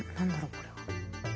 これは。